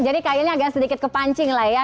jadi kayaknya agak sedikit kepancing lah ya